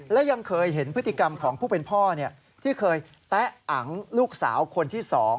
และยังเคยเห็นพฤติกรรมของผู้เป็นพ่อที่เคยแตะอังลูกสาวคนที่๒